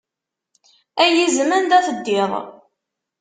Ay izem anda teddiḍ.